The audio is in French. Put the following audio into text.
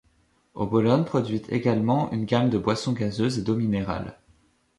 Obolon produit également une gamme de boissons gazeuses et d'eau minérale.